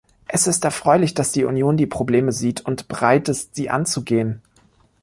Es ist erfreulich, dass die Union die Probleme sieht und bereit ist, sie anzugehen.